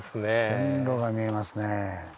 線路が見えますねぇ。